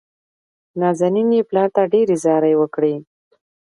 نازنين يې پلار ته ډېرې زارۍ وکړې.